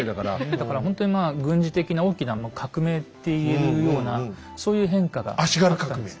だからほんとにまあ軍事的な大きな革命っていうようなそういう変化があったんです。